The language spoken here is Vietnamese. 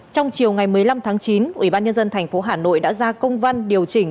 trong chiều ngày một mươi năm tháng chín ủy ban nhân dân thành phố hà nội đã ra công văn điều chỉnh